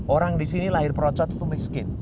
orang disini lahir perocot itu miskin